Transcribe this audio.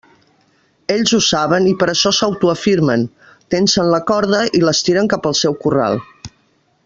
Ells ho saben i per això s'autoafirmen, tensen la corda i l'estiren cap al seu corral.